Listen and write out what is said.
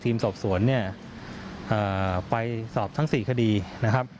ทีมสอบสวนเนี่ยไปสอบทั้ง๔คดีนะครับ